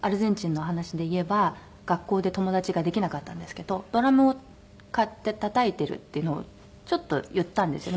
学校で友達ができなかったんですけどドラムを買ってたたいてるっていうのをちょっと言ったんですね